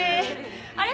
あれ？